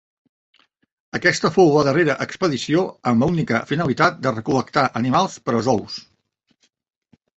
Aquesta fou la darrera expedició amb l'única finalitat de recol·lectar animals per a zoos.